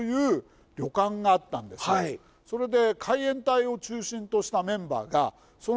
それで。